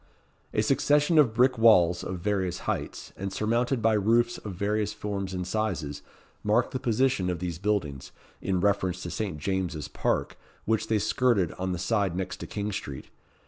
A succession of brick walls, of various heights, and surmounted by roofs of various forms and sizes, marked the position of these buildings, in reference to Saint James's Park, which they skirted on the side next to King Street.